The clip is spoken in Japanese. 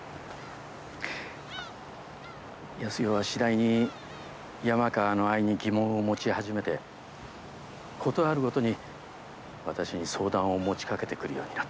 康代は次第に山川の愛に疑問を持ち始めてことあるごとに私に相談を持ちかけてくるようになった。